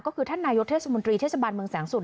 ก็คือท่านนายกเทศมนตรีเทศบาลเมืองแสงสุท